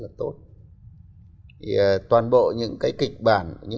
của chúng ta